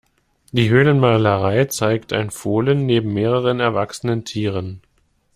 Die Höhlenmalerei zeigt ein Fohlen neben mehreren erwachsenen Tieren.